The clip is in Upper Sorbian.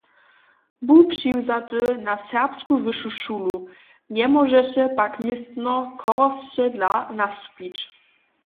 Bu přiwzaty na Serbsku wyšu šulu, njemóžeše pak městno chorosće dla nastupić.